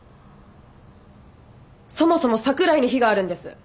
そもそも櫻井に非があるんです。